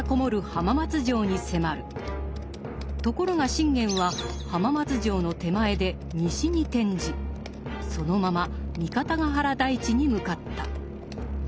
ところが信玄は浜松城の手前で西に転じそのまま三方ヶ原台地に向かった。